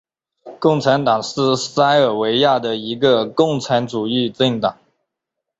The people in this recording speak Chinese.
共产党是塞尔维亚的一个共产主义政党。